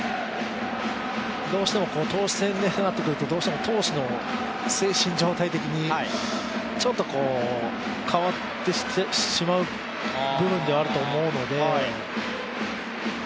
どうしても投手戦になってくると、投手の精神状態的にちょっと変わってしまう部分ではあると思うので。